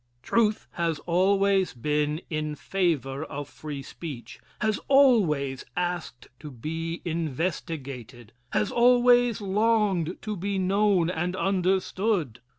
Truth has always been in favor of free speech has always asked to be investigated has always longed to be known and understood.